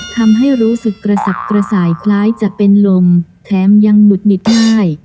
ทำให้รู้สึกกระสับกระส่ายคล้ายจะเป็นลมแถมยังหุดหงิดได้